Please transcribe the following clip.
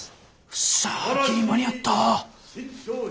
よっしゃギリ間に合った。